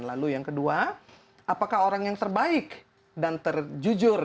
lalu yang kedua apakah orang yang terbaik dan terjujur